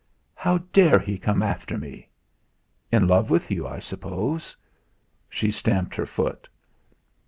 "How dare he come after me?" "In love with you, I suppose." She stamped her foot.